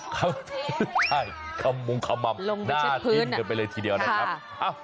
ขมมใช่ขมมหน้าทิ้งกันไปเลยทีเดียวนะครับ